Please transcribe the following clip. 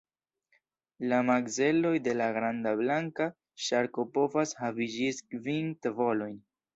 La makzeloj de la granda blanka ŝarko povas havi ĝis kvin tavolojn.